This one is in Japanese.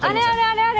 あれあれ！